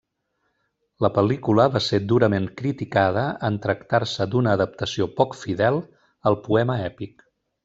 La pel·lícula va ser durament criticada en tractar-se d'una adaptació poc fidel al poema èpic.